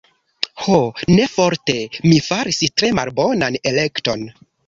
Ho, ne forte, mi faris tre malbonan elekton.